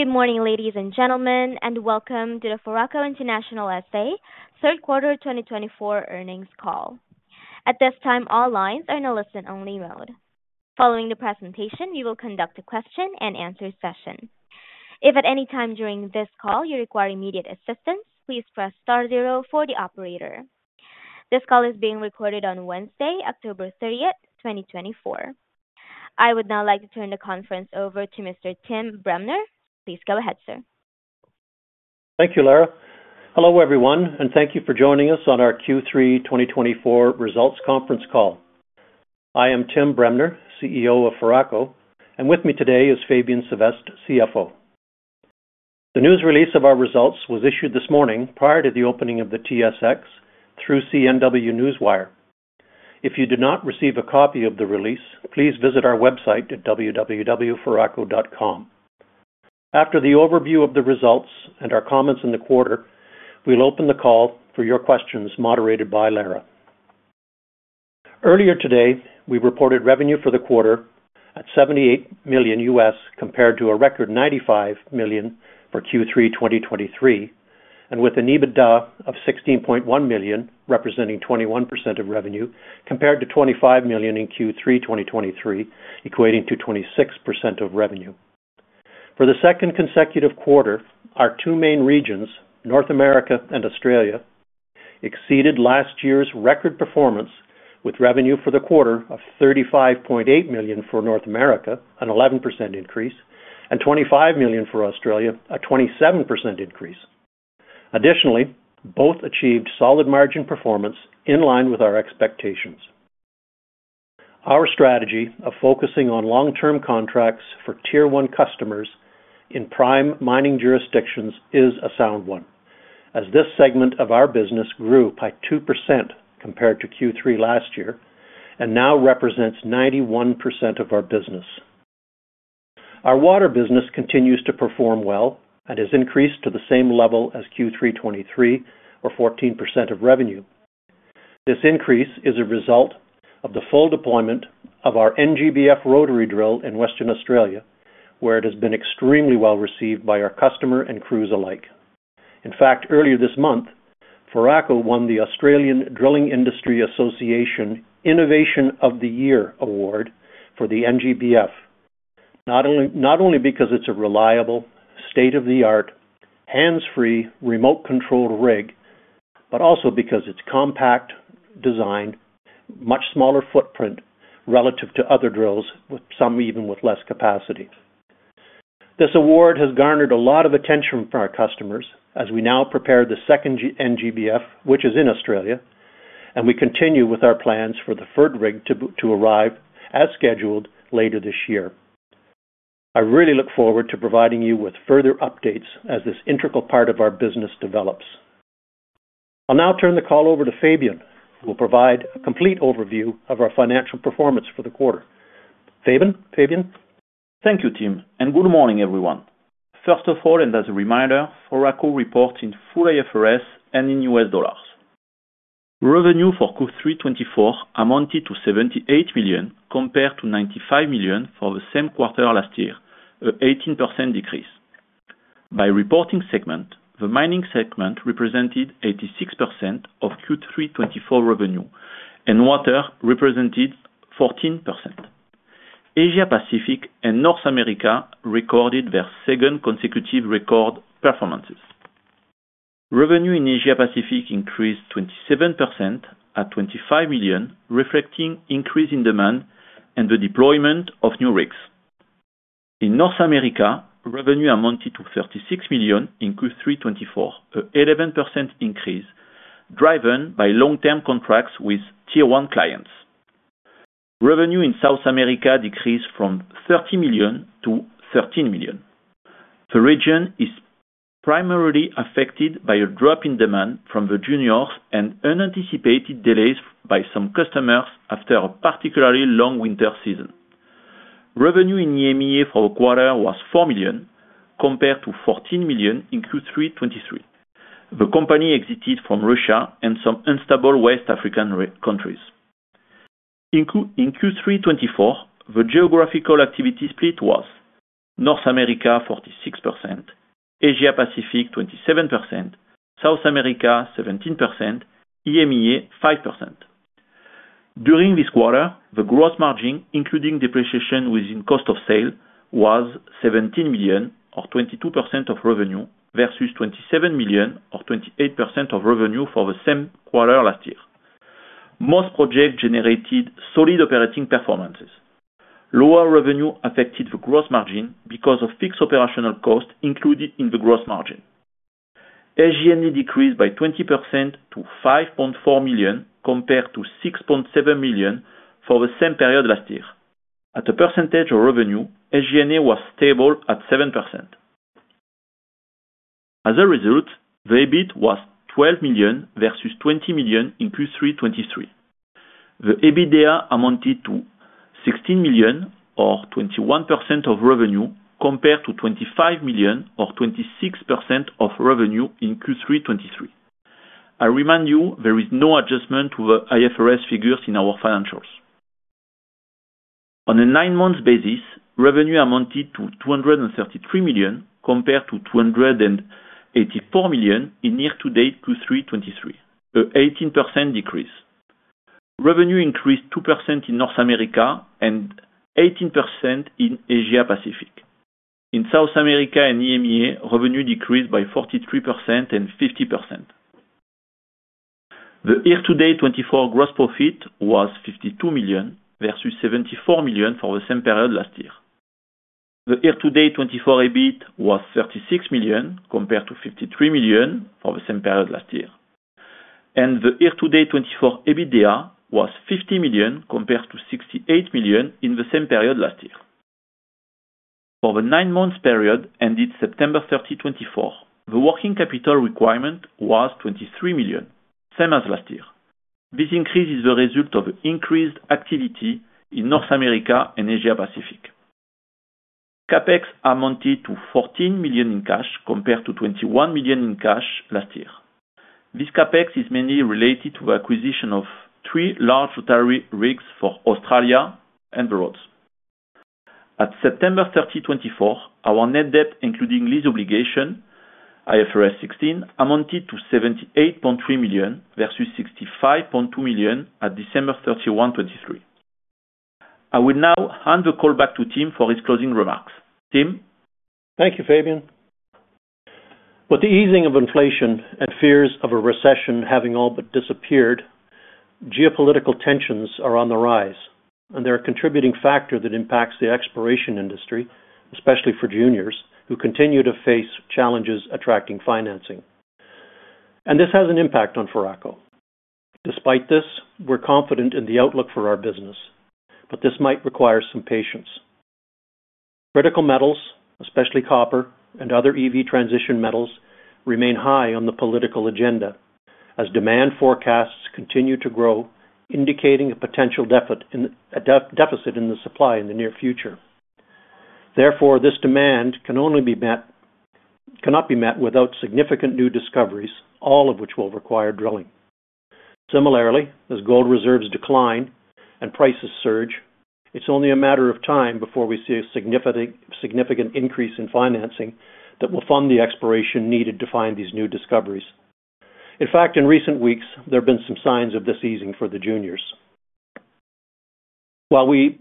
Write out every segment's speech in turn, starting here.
Good morning, ladies and gentlemen, and welcome to the Foraco International S.A., Third Quarter 2024, earnings call. At this time, all lines are in a listen-only mode. Following the presentation, we will conduct a question-and-answer session. If at any time during this call you require immediate assistance, please press star zero for the operator. This call is being recorded on Wednesday, October 30th, 2024. I would now like to turn the conference over to Mr. Tim Bremner. Please go ahead, sir. Thank you, Lara. Hello, everyone, and thank you for joining us on our Q3 2024 results conference call. I am Tim Bremner, CEO of Foraco, and with me today is Fabien Sevestre, CFO. The news release of our results was issued this morning prior to the opening of the TSX through CNW Newswire. If you did not receive a copy of the release, please visit our website at www.foraco.com. After the overview of the results and our comments in the quarter, we'll open the call for your questions, moderated by Lara. Earlier today, we reported revenue for the quarter at $78 million, compared to a record $95 million for Q3 2023, and with an EBITDA of $16.1 million, representing 21% of revenue, compared to $25 million in Q3 2023, equating to 26% of revenue. For the second consecutive quarter, our two main regions, North America and Australia, exceeded last year's record performance with revenue for the quarter of $35.8 million for North America, an 11% increase, and $25 million for Australia, a 27% increase. Additionally, both achieved solid margin performance in line with our expectations. Our strategy of focusing on long-term contracts for tier one customers in prime mining jurisdictions is a sound one, as this segment of our business grew by 2% compared to Q3 last year and now represents 91% of our business. Our water business continues to perform well and has increased to the same level as Q3 2023, or 14% of revenue. This increase is a result of the full deployment of our NGBF rotary drill in Western Australia, where it has been extremely well received by our customer and crews alike. In fact, earlier this month, Foraco won the Australian Drilling Industry Association Innovation of the Year Award for the NGBF, not only because it's a reliable, state-of-the-art, hands-free, remote-controlled rig, but also because it's compact designed, much smaller footprint relative to other drills, with some even with less capacity. This award has garnered a lot of attention from our customers as we now prepare the second NGBF, which is in Australia, and we continue with our plans for the third rig to arrive as scheduled later this year. I really look forward to providing you with further updates as this integral part of our business develops. I'll now turn the call over to Fabien, who will provide a complete overview of our financial performance for the quarter. Fabien? Thank you, Tim, and good morning, everyone. First of all, and as a reminder, Foraco reports in full IFRS and in US dollars. Revenue for Q3 2024 amounted to $78 million compared to $95 million for the same quarter last year, an 18% decrease. By reporting segment, the mining segment represented 86% of Q3 2024 revenue, and water represented 14%. Asia Pacific and North America recorded their second consecutive record performances. Revenue in Asia Pacific increased 27% at $25 million, reflecting an increase in demand, and the deployment of new rigs. In North America, revenue amounted to $36 million in Q3 2024, an 11% increase, driven by long-term contracts with tier one clients. Revenue in South America decreased from $30 million to $13 million. The region is primarily affected by a drop in demand from the juniors and unanticipated delays by some customers after a particularly long winter season. Revenue in EMEA for the quarter was $4 million, compared to $14 million in Q3 2023. The company exited from Russia and some unstable West African countries. In Q3 2024, the geographical activity split was North America 46%, Asia Pacific 27%, South America 17%, EMEA 5%. During this quarter, the gross margin, including depreciation within cost of sale, was $17 million, or 22% of revenue, versus $27 million, or 28% of revenue for the same quarter last year. Most projects generated solid operating performances. Lower revenue affected the gross margin because of fixed operational costs included in the gross margin. SG&A decreased by 20% to $5.4 million, compared to $6.7 million for the same period last year. At a percentage of revenue, SG&A was stable at 7%. As a result, the EBIT was $12 million versus $20 million in Q3 2023. The EBITDA amounted to 16 million, or 21% of revenue, compared to 25 million, or 26% of revenue in Q3 2023. I remind you there is no adjustment to the IFRS figures in our financials. On a nine-month basis, revenue amounted to 233 million, compared to 284 million in year-to-date Q3 2023, an 18% decrease. Revenue increased 2% in North America, and 18% in Asia Pacific. In South America and EMEA, revenue decreased by 43% and 50%. The year-to-date 2024 gross profit was 52 million versus 74 million for the same period last year. The year-to-date 2024 EBIT was 36 million, compared to 53 million for the same period last year. The year-to-date 2024 EBITDA was 50 million, compared to 68 million in the same period last year. For the nine-month period ended September 30, 2024, the working capital requirement was 23 million, same as last year. This increase is the result of increased activity in North America and Asia Pacific. CapEx amounted to $14 million in cash, compared to $21 million in cash last year. This CapEx is mainly related to the acquisition of three large rotary rigs for Australia and abroad. At September 30, 2024, our net debt, including lease obligation, IFRS 16, amounted to $78.3 million versus $65.2 million at December 31, 2023. I will now hand the call back to Tim for his closing remarks. Tim? Thank you, Fabien. With the easing of inflation and fears of a recession having all but disappeared, geopolitical tensions are on the rise, and they're a contributing factor that impacts the exploration industry, especially for juniors, who continue to face challenges attracting financing, and this has an impact on Foraco. Despite this, we're confident in the outlook for our business, but this might require some patience. Critical metals, especially copper and other EV transition metals, remain high on the political agenda as demand forecasts continue to grow, indicating a potential deficit in the supply in the near future. Therefore, this demand cannot be met without significant new discoveries, all of which will require drilling. Similarly, as gold reserves decline, and prices surge, it's only a matter of time before we see a significant increase in financing that will fund the exploration needed to find these new discoveries. In fact, in recent weeks, there have been some signs of this easing for the juniors. While we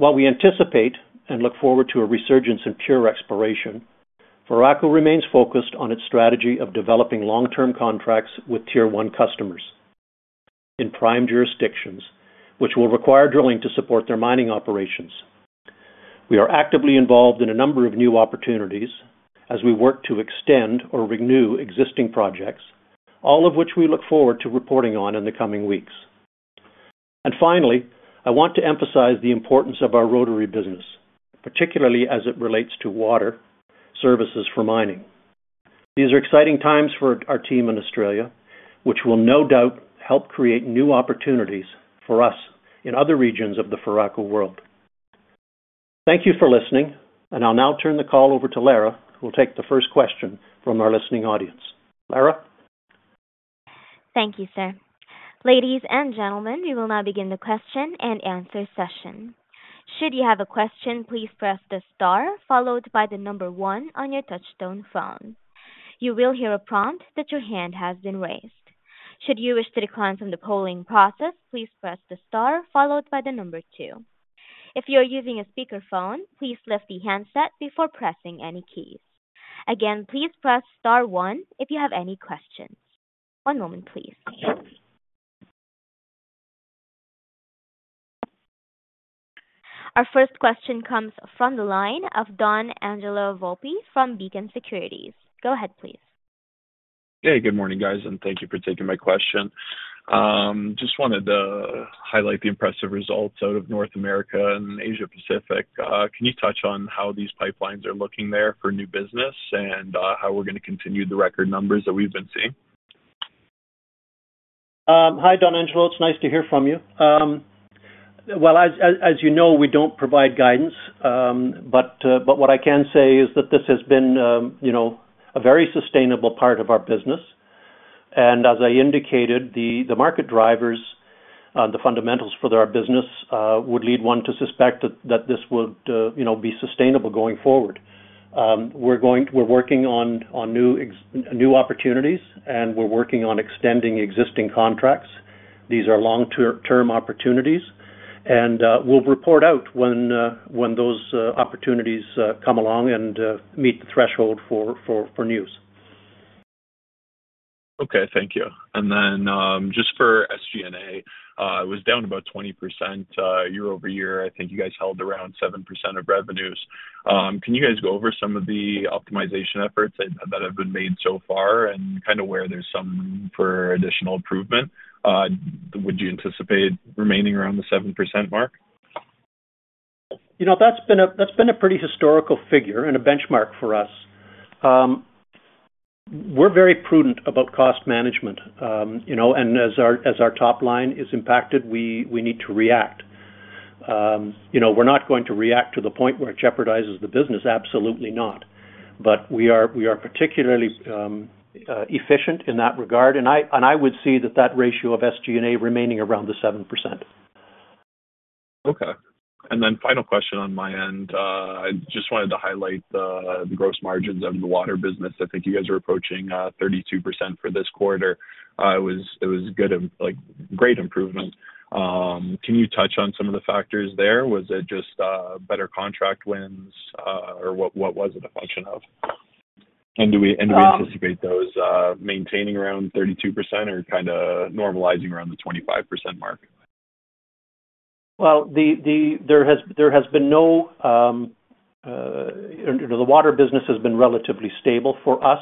anticipate and look forward to a resurgence in pure exploration, Foraco remains focused on its strategy of developing long-term contracts with tier one customers in prime jurisdictions, which will require drilling to support their mining operations. We are actively involved in a number of new opportunities as we work to extend or renew existing projects, all of which we look forward to reporting on in the coming weeks. And finally, I want to emphasize the importance of our rotary business, particularly as it relates to water services for mining. These are exciting times for our team in Australia, which will no doubt help create new opportunities for us in other regions of the Foraco world. Thank you for listening, and I'll now turn the call over to Lara, who will take the first question from our listening audience. Lara? Thank you, sir. Ladies and gentlemen, we will now begin the question-and-answer session. Should you have a question, please press the star followed by the number one on your touch-tone phone. You will hear a prompt that your hand has been raised. Should you wish to decline from the polling process, please press the star followed by the number two. If you are using a speakerphone, please lift the handset before pressing any keys. Again, please press star one if you have any questions. One moment, please. Our first question comes from the line of Donangelo Volpe from Beacon Securities. Go ahead, please. Hey, good morning, guys, and thank you for taking my question. Just wanted to highlight the impressive results out of North America and Asia Pacific. Can you touch on how these pipelines are looking there for new business and how we're going to continue the record numbers that we've been seeing? Hi, Donangelo. It's nice to hear from you. As you know, we don't provide guidance, but what I can say is that this has been a very sustainable part of our business. As I indicated, the market drivers, the fundamentals for our business, would lead one to suspect that this would be sustainable going forward. We're working on new opportunities, and we're working on extending existing contracts. These are long-term opportunities, and we'll report out when those opportunities come along and meet the threshold for news. Okay, thank you and then just for SG&A, it was down about 20% year over year. I think you guys held around 7% of revenues. Can you guys go over some of the optimization efforts that have been made so far and kind of where there's some room for additional improvement? Would you anticipate remaining around the 7% mark? That's been a pretty historical figure, and a benchmark for us. We're very prudent about cost management, and as our top line is impacted, we need to react. We're not going to react to the point where it jeopardizes the business, absolutely not. But we are particularly efficient in that regard, and I would see that that ratio of SG&A remaining around the 7%. Okay. And then final question on my end. I just wanted to highlight the gross margins of the water business. I think you guys are approaching 32% for this quarter. It was great improvement. Can you touch on some of the factors there? Was it just better contract wins, or what was it a function of? And do we anticipate those maintaining around 32% or kind of normalizing around the 25% mark? There has been no, the water business has been relatively stable for us,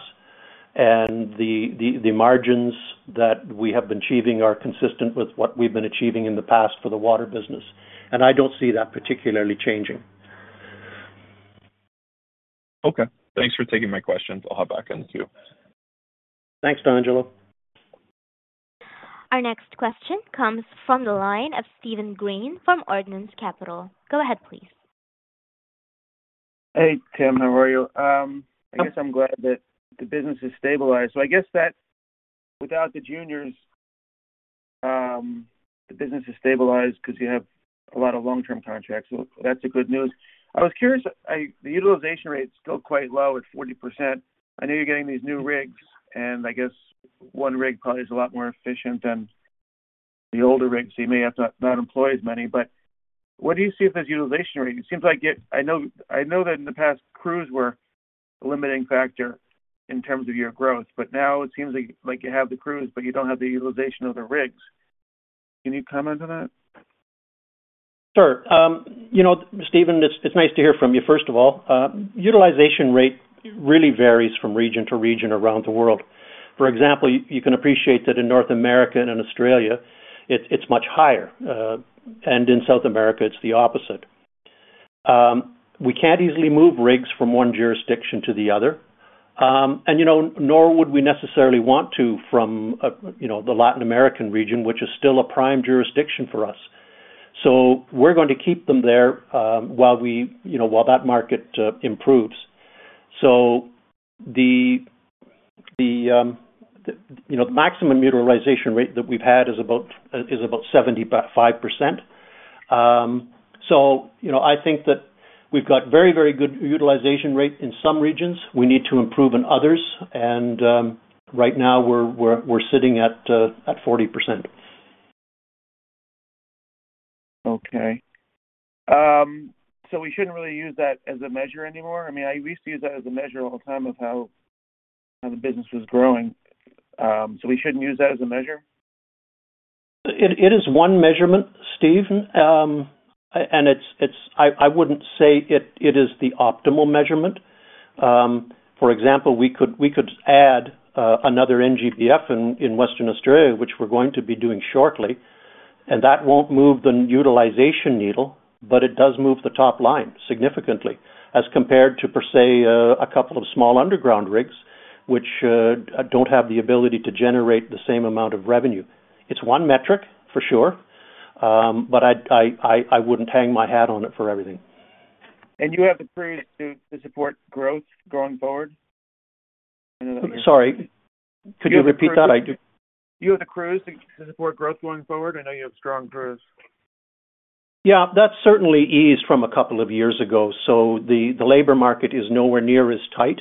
and the margins that we have been achieving are consistent with what we've been achieving in the past for the water business. I don't see that particularly changing. Okay. Thanks for taking my questions. I'll hop back in too. Thanks, Don Angelo. Our next question comes from the line of Steven Green from Ordinance Capital. Go ahead, please. Hey, Tim, how are you? I guess I'm glad that the business has stabilized. So I guess that without the juniors, the business has stabilized because you have a lot of long-term contracts. So that's the good news. I was curious. The utilization rate is still quite low at 40%. I know you're getting these new rigs, and I guess one rig probably is a lot more efficient than the older rig, so you may have not employed as many. But what do you see for this utilization rate? It seems like I know that in the past, crews were a limiting factor in terms of your growth, but now it seems like you have the crews, but you don't have the utilization of the rigs. Can you comment on that? Sure. Steven, it's nice to hear from you, first of all. Utilization rate really varies from region to region around the world. For example, you can appreciate that in North America and in Australia, it's much higher. And in South America, it's the opposite. We can't easily move rigs from one jurisdiction to the other, and nor would we necessarily want to from the Latin American region, which is still a prime jurisdiction for us. So we're going to keep them there while that market improves. So the maximum utilization rate that we've had is about 75%. So I think that we've got very, very good utilization rate in some regions. We need to improve in others. And right now, we're sitting at 40%. Okay. So we shouldn't really use that as a measure anymore? I mean, we used to use that as a measure all the time of how the business was growing. So we shouldn't use that as a measure? It is one measurement, Steven, and I wouldn't say it is the optimal measurement. For example, we could add another NGBF in Western Australia, which we're going to be doing shortly, and that won't move the utilization needle, but it does move the top line significantly as compared to, per se, a couple of small underground rigs, which don't have the ability to generate the same amount of revenue. It's one metric, for sure, but I wouldn't hang my hat on it for everything. You have the crews to support growth going forward? Sorry, could you repeat that? You have the crews to support growth going forward? I know you have strong crews. Yeah, that's certainly eased from a couple of years ago. So the labor market is nowhere near as tight.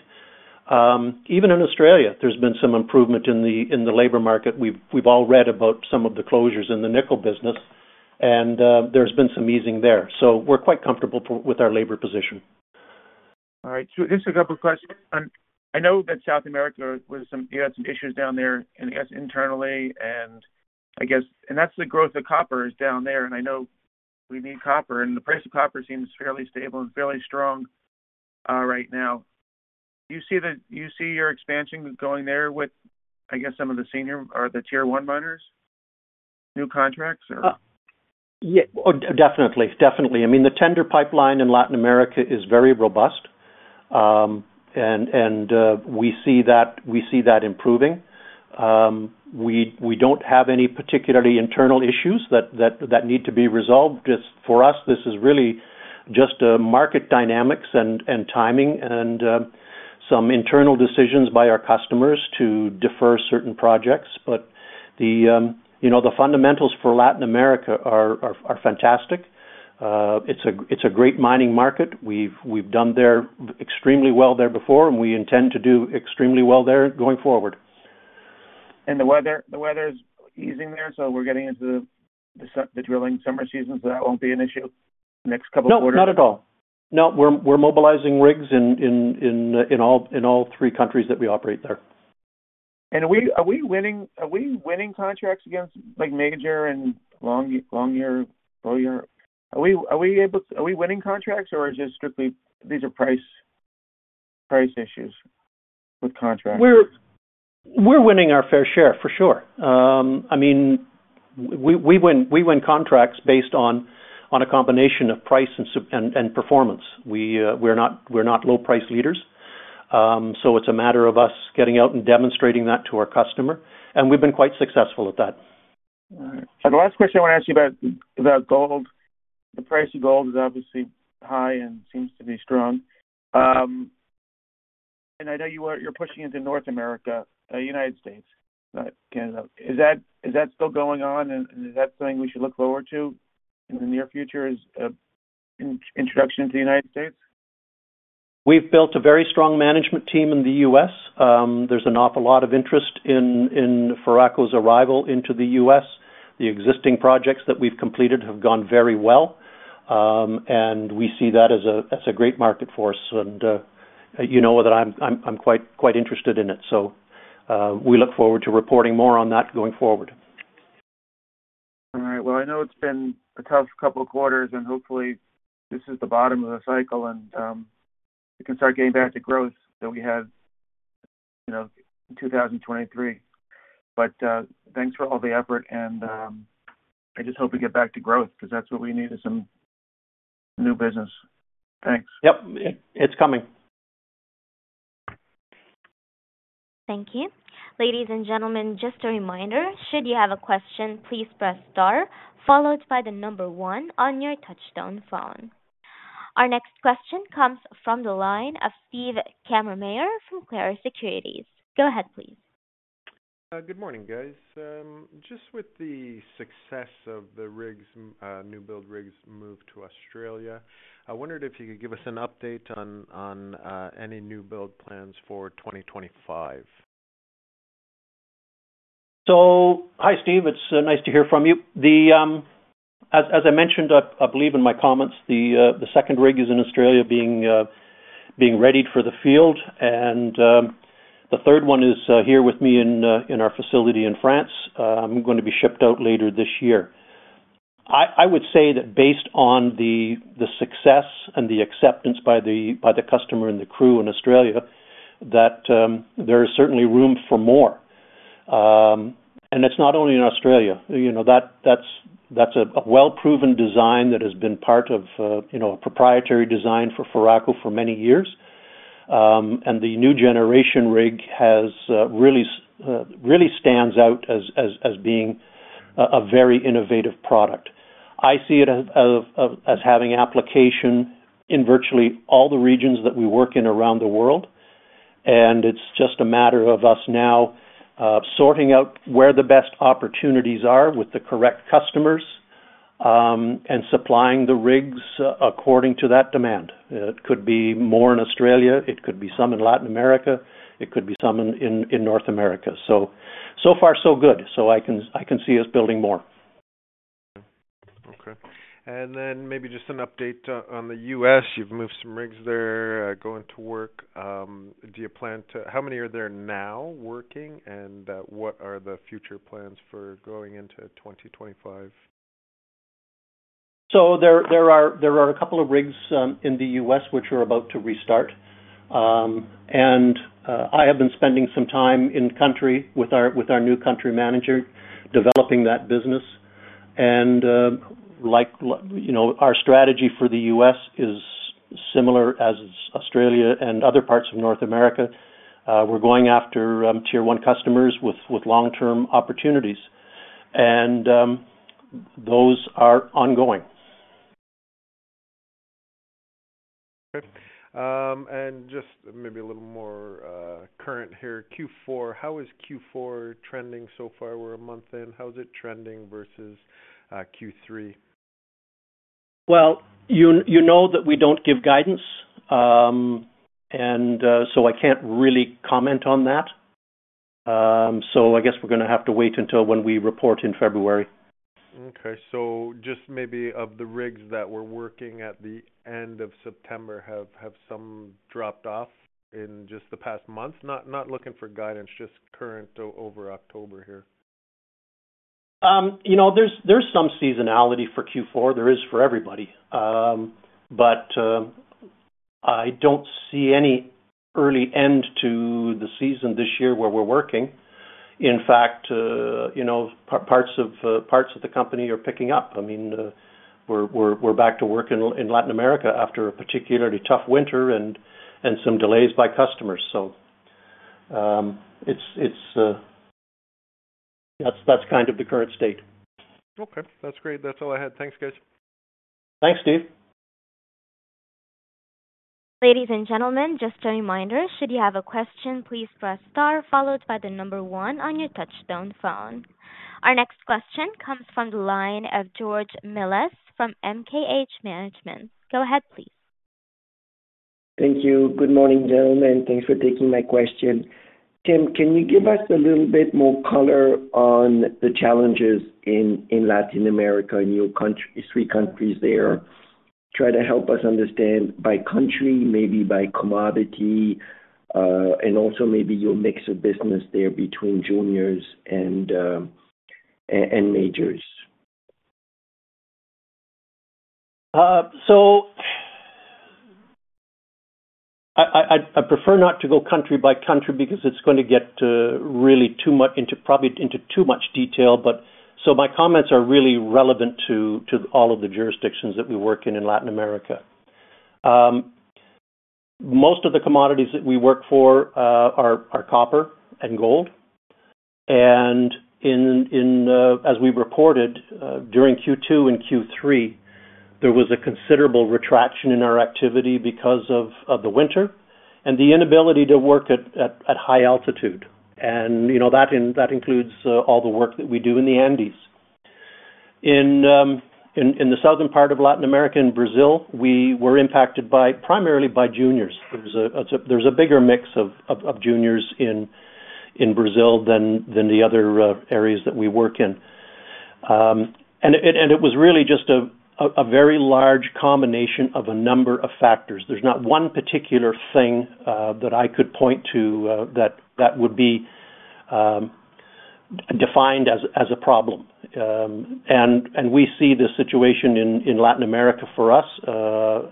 Even in Australia, there's been some improvement in the labor market. We've all read about some of the closures in the nickel business, and there's been some easing there. So we're quite comfortable with our labor position. All right. So just a couple of questions. I know that South America had some issues down there, and I guess internally, and that's the growth of copper is down there, and I know we need copper, and the price of copper seems fairly stable and fairly strong right now. Do you see your expansion going there with, I guess, some of the senior or the tier one miners, new contracts, or? Definitely. Definitely. I mean, the tender pipeline in Latin America is very robust, and we see that improving. We don't have any particularly internal issues that need to be resolved. For us, this is really just market dynamics and timing and some internal decisions by our customers to defer certain projects. But the fundamentals for Latin America are fantastic. It's a great mining market. We've done extremely well there before, and we intend to do extremely well there going forward. The weather is easing there, so we're getting into the drilling summer season, so that won't be an issue the next couple of quarters? No, not at all. No, we're mobilizing rigs in all three countries that we operate there. Are we winning contracts against Major and Longyear? Are we winning contracts, or are these just strictly price issues with contracts? We're winning our fair share, for sure. I mean, we win contracts based on a combination of price and performance. We're not low-price leaders, so it's a matter of us getting out and demonstrating that to our customer, and we've been quite successful at that. All right. The last question I want to ask you about gold. The price of gold is obviously high and seems to be strong. And I know you're pushing into North America, the United States, not Canada. Is that still going on, and is that something we should look forward to in the near future, is introduction to the United States? We've built a very strong management team in the U.S. There's an awful lot of interest in Foraco's arrival into the U.S. The existing projects that we've completed have gone very well, and we see that as a great market for us, and you know that I'm quite interested in it, so we look forward to reporting more on that going forward. All right. Well, I know it's been a tough couple of quarters, and hopefully, this is the bottom of the cycle, and we can start getting back to growth that we had in 2023. But thanks for all the effort, and I just hope we get back to growth because that's what we need is some new business. Thanks. Yep. It's coming. Thank you. Ladies and gentlemen, just a reminder, should you have a question, please press star followed by the number one on your touchstone phone. Our next question comes from the line of Steve Kammermayer from Clarus Securities. Go ahead, please. Good morning, guys. Just with the success of the new build rigs moved to Australia, I wondered if you could give us an update on any new build plans for 2025. So hi, Steve. It's nice to hear from you. As I mentioned, I believe in my comments, the second rig is in Australia being readied for the field, and the third one is here with me in our facility in France. I'm going to be shipped out later this year. I would say that based on the success and the acceptance by the customer and the crew in Australia, that there is certainly room for more. And it's not only in Australia. That's a well-proven design that has been part of a proprietary design for Foraco for many years. And the new generation rig really stands out as being a very innovative product. I see it as having application in virtually all the regions that we work in around the world, and it's just a matter of us now sorting out where the best opportunities are with the correct customers and supplying the rigs according to that demand. It could be more in Australia. It could be some in Latin America. It could be some in North America. So far, so good. So I can see us building more. Okay. Then maybe just an update on the U.S. You've moved some rigs there going to work. Do you plan to, how many are there now working, and what are the future plans for going into 2025? So there are a couple of rigs in the U.S. which are about to restart. And I have been spending some time in-country with our new country manager developing that business. And our strategy for the U.S. is similar as Australia and other parts of North America. We're going after tier one customers with long-term opportunities, and those are ongoing. Okay. Just maybe a little more current here, Q4. How is Q4 trending so far? We're a month in. How is it trending versus Q3? You know that we don't give guidance, and so I can't really comment on that. I guess we're going to have to wait until when we report in February. Okay. So just maybe of the rigs that were working at the end of September, have some dropped off in just the past month? Not looking for guidance, just current over October here. There's some seasonality for Q4. There is for everybody. But I don't see any early end to the season this year where we're working. In fact, parts of the company are picking up. I mean, we're back to work in Latin America after a particularly tough winter and some delays by customers. So that's kind of the current state. Okay. That's great. That's all I had. Thanks, guys. Thanks, Steve. Ladies and gentlemen, just a reminder, should you have a question, please press star followed by the number one on your touch-tone phone. Our next question comes from the line of George Melas from MKH Management. Go ahead, please. Thank you. Good morning, gentlemen. Thanks for taking my question. Tim, can you give us a little bit more color on the challenges in Latin America and your three countries there? Try to help us understand by country, maybe by commodity, and also maybe your mix of business there between juniors and majors. So I prefer not to go country by country because it's going to get really too much into probably too much detail. So my comments are really relevant to all of the jurisdictions that we work in Latin America. Most of the commodities that we work for are copper and gold. And as we reported during Q2 and Q3, there was a considerable retraction in our activity because of the winter and the inability to work at high altitude. And that includes all the work that we do in the Andes. In the southern part of Latin America and Brazil, we were impacted primarily by juniors. There's a bigger mix of juniors in Brazil than the other areas that we work in. And it was really just a very large combination of a number of factors. There's not one particular thing that I could point to that would be defined as a problem. And we see the situation in Latin America for us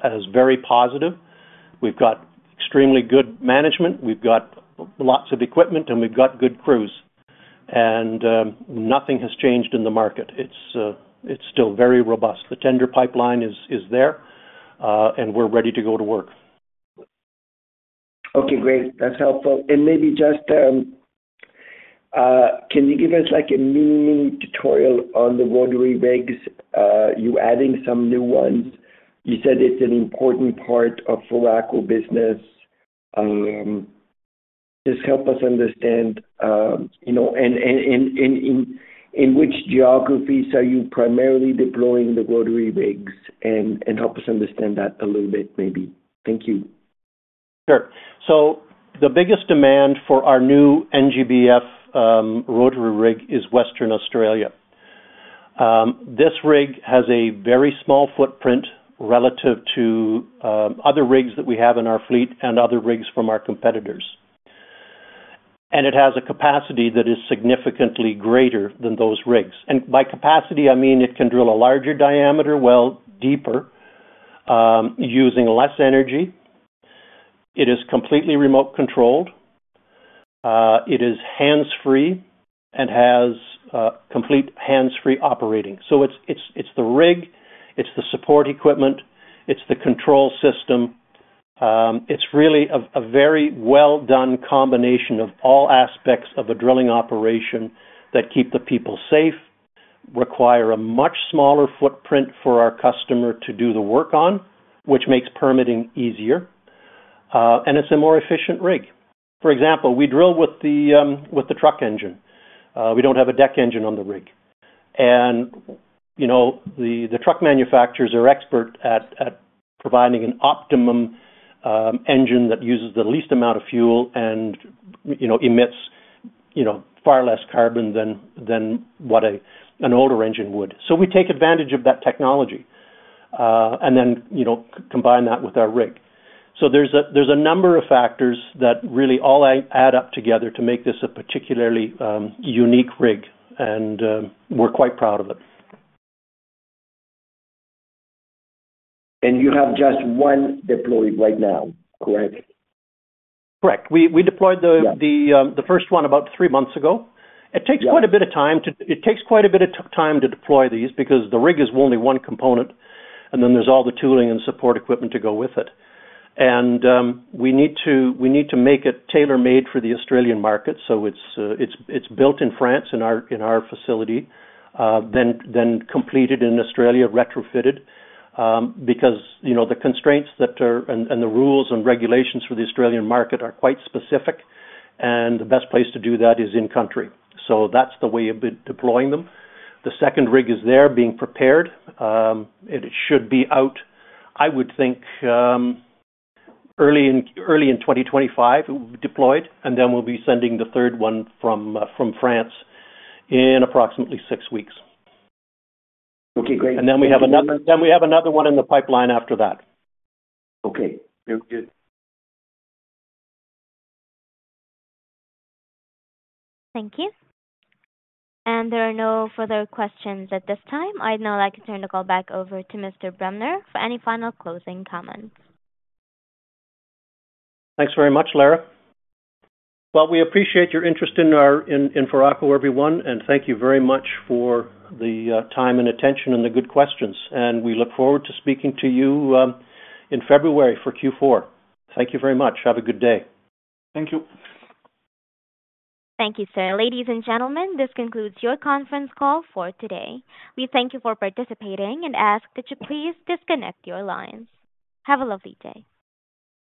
as very positive. We've got extremely good management. We've got lots of equipment, and we've got good crews. And nothing has changed in the market. It's still very robust. The tender pipeline is there, and we're ready to go to work. Okay. Great. That's helpful. And maybe just can you give us a mini-mini tutorial on the rotary rigs? You're adding some new ones. You said it's an important part of Foraco business. Just help us understand in which geographies are you primarily deploying the rotary rigs and help us understand that a little bit, maybe. Thank you. Sure. The biggest demand for our new NGBF rotary rig is Western Australia. This rig has a very small footprint relative to other rigs that we have in our fleet and other rigs from our competitors. It has a capacity that is significantly greater than those rigs. By capacity, I mean it can drill a larger diameter well, deeper, using less energy. It is completely remote-controlled. It is hands-free and has complete hands-free operating. It's the rig. It's the support equipment. It's the control system. It's really a very well-done combination of all aspects of a drilling operation that keep the people safe, require a much smaller footprint for our customer to do the work on, which makes permitting easier, and it's a more efficient rig. For example, we drill with the truck engine. We don't have a deck engine on the rig. And the truck manufacturers are expert at providing an optimum engine that uses the least amount of fuel and emits far less carbon than what an older engine would. So we take advantage of that technology and then combine that with our rig. So there's a number of factors that really all add up together to make this a particularly unique rig, and we're quite proud of it. You have just one deployed right now, correct? Correct. We deployed the first one about three months ago. It takes quite a bit of time to deploy these because the rig is only one component, and then there's all the tooling and support equipment to go with it, and we need to make it tailor-made for the Australian market, so it's built in France in our facility, then completed in Australia, retrofitted because the constraints and the rules and regulations for the Australian market are quite specific, and the best place to do that is in-country, so that's the way of deploying them. The second rig is there being prepared. It should be out, I would think, early in 2025. It will be deployed, and then we'll be sending the third one from France in approximately six weeks. Okay. Great. And then we have another one in the pipeline after that. Okay. Very good. Thank you. There are no further questions at this time. I'd now like to turn the call back over to Mr. Bremner for any final closing comments. Thanks very much, Lara. Well, we appreciate your interest in Foraco, everyone, and thank you very much for the time and attention and the good questions, and we look forward to speaking to you in February for Q4. Thank you very much. Have a good day. Thank you. Thank you, sir. Ladies and gentlemen, this concludes your conference call for today. We thank you for participating and ask that you please disconnect your lines. Have a lovely day.